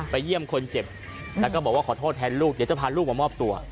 เยี่ยมคนเจ็บแล้วก็บอกว่าขอโทษแทนลูกเดี๋ยวจะพาลูกมามอบตัว